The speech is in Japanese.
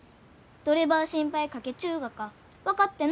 どればあ心配かけちゅうがか分かってないがよ。